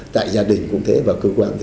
tại gia đình cũng thế và cơ quan